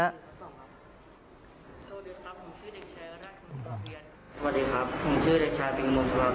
สวัสดีครับผมชื่อเด็กชายปิงมงสวัสดีครับ